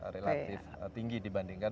relatif tinggi dibandingkan